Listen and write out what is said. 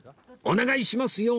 お願いしますよ！